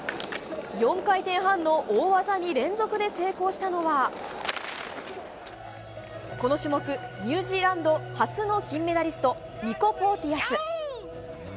４回転半の大技に連続で成功したのはこの種目ニュージーランド初の金メダリストニコ・ポーティアス。